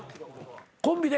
コンビで？